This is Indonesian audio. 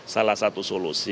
salah satu solusi